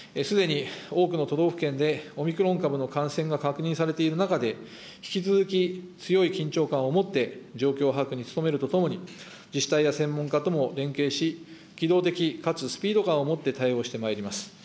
すでに多くの都道府県でオミクロン株の感染が確認されている中で、引き続き強い緊張感を持って状況把握に努めるとともに、自治体や専門家とも連携し、機動的かつスピード感を持って対応してまいります。